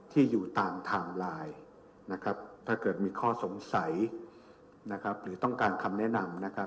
ที่อยู่ตามไทม์ไลน์ถ้าเกิดมีข้อสงสัยหรือต้องการคำแนะนำ